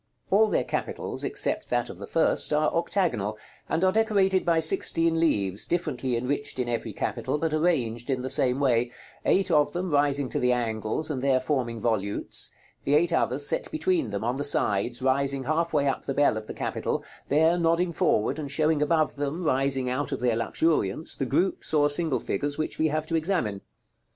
§ LXVI. All their capitals, except that of the first, are octagonal, and are decorated by sixteen leaves, differently enriched in every capital, but arranged in the same way; eight of them rising to the angles, and there forming volutes; the eight others set between them, on the sides, rising half way up the bell of the capital; there nodding forward, and showing above them, rising out of their luxuriance, the groups or single figures which we have to examine.